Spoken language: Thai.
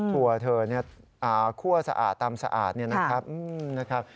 ถั่วถือคั่วสะอาดตำสะอาดอย่างนี้นะครับ